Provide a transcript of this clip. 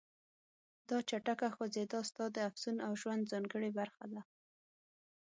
دا چټکه خوځېدا ستا د افسون او ژوند ځانګړې برخه ده.